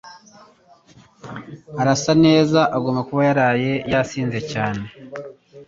Arasa neza Agomba kuba yaraye yasinze cyane